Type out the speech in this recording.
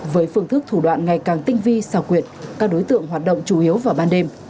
với phương thức thủ đoạn ngày càng tinh vi xảo quyệt các đối tượng hoạt động chủ yếu vào ban đêm